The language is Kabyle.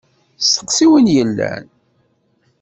Steqsi win yellan!